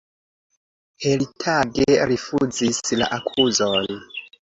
Heritage rifuzis la akuzon.